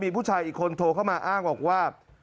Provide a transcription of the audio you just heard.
มีผู้ชายอีกคนโทรเข้ามาอ้างบอกว่า